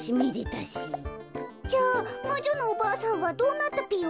じゃあまじょのおばあさんはどうなったぴよ？